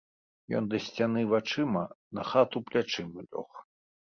Ён да сцяны вачыма, на хату плячыма лёг.